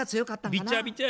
びちゃびちゃや。